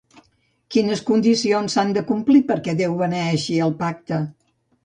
Quines condicions s'han de complir perquè Déu beneeixi el pacte?